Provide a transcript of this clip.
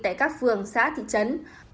tại các phường xã thị trấn